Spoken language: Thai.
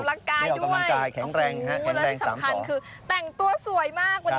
และสำคัญคือแต่งตัวสวยมาก